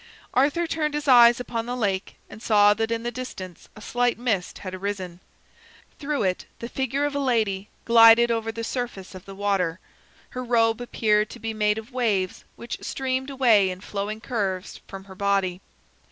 Arthur turned his eyes upon the lake and saw that in the distance a slight mist had arisen. Through it the figure of a lady glided over the surface of the water. Her robe appeared to be made of waves which streamed away in flowing curves from her body.